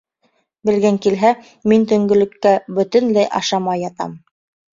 Белгең килһә, мин төнгөлөккә бөтөнләй ашамай ятам.